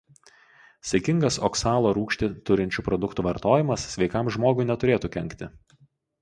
Saikingas oksalo rūgštį turinčių produktų vartojimas sveikam žmogui neturėtų kenkti.